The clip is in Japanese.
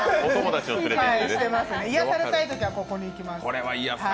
癒やされたいときはここに行きます。